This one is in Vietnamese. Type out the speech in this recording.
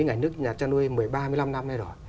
nhà nước nhà cha nuôi một mươi ba một mươi năm năm nay rồi